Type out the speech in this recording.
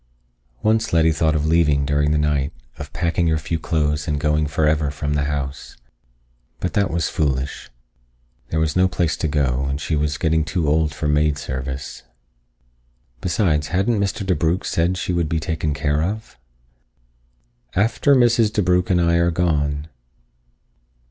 Once Letty thought of leaving during the night, of packing her few clothes and going for ever from the house. But that was foolish. There was no place to go, and she was getting too old for maid service. Besides, hadn't Mr. DeBrugh said she would be taken care of. "After _Mrs. DeBrugh+ and I are gone."